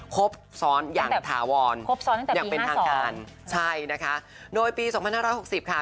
ครบซ้อนอย่างถาวรอย่างเป็นทางการใช่นะคะโดยปี๒๕๖๐ค่ะ